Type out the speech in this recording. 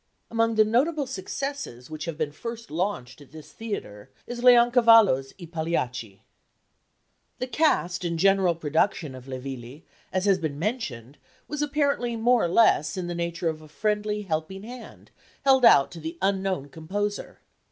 Among the notable successes which have been first launched at this theatre is Leoncavallo's I Pagliacci. The cast and general production of Le Villi, as has been mentioned, was apparently more or less in the nature of a friendly "helping hand" held out to the unknown composer.